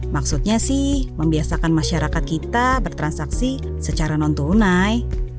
maksudnya sih membiasakan masyarakat kita bertransaksi secara non tunai